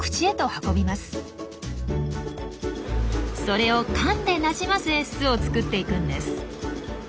それをかんでなじませ巣を作っていくんです。